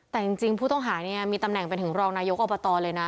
แต่จริงผู้ต้องหาเนี่ยมีตำแหน่งเป็นถึงรองนายกอบตเลยนะ